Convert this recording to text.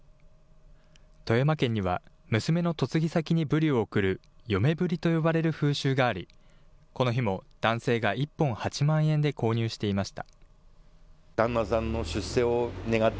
富山県には、娘の嫁ぎ先にブリを贈る嫁ブリと呼ばれる風習があり、この日も男性が１本８万円で購入していました。